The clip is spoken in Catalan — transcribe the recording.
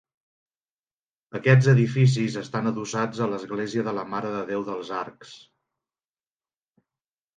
Aquests edificis estan adossats a l'església de la Mare de Déu dels Arcs.